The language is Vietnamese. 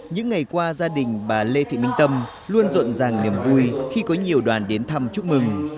những ngày qua gia đình bà lê thị minh tâm luôn rộn ràng niềm vui khi có nhiều đoàn đến thăm chúc mừng